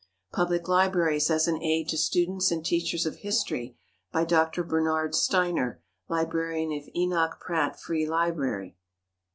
"Public Libraries as an Aid to Students and Teachers of History," by Dr. Bernard Steiner, Librarian of Enoch Pratt Free Library.